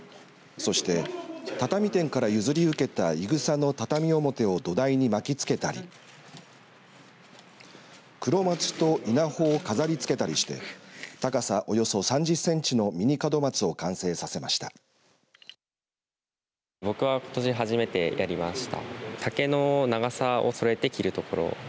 そして畳店から譲り受けた、いぐさの畳表を土台に巻きつけたりクロマツと稲穂を飾りつけたりして高さおよそ３０センチのミニ門松を完成させました。